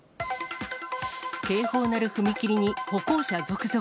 警報鳴る踏切に歩行者続々。